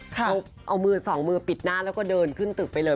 เขาเอามือสองมือปิดหน้าแล้วก็เดินขึ้นตึกไปเลย